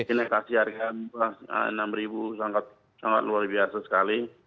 kita kasih harga rp enam sangat luar biasa sekali